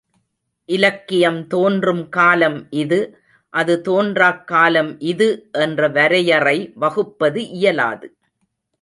இலக்கியம் தோன்றும் காலம் இது, அது தோன்றாக் காலம் இது என்ற வரையறை வகுப்பது இயலாது.